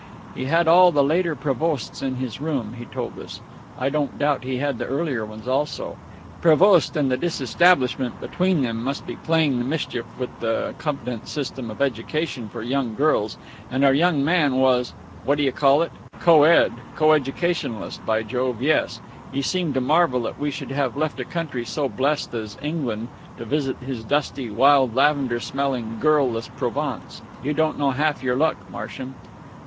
He had all the later Prévosts in his room, he told us (I don't doubt he had the earlier ones also); Prévost and the Disestablishment between them must be playing the mischief with the convent system of education for young girls; and our young man was what d'you call it? 'Co ed' co educationalist by Jove, yes!... He seemed to marvel that we should have left a country so blessed as England to visit his dusty, wild lavender smelling, girl less Provence.... You don't know half your luck, Marsham....